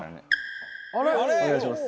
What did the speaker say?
お願いします。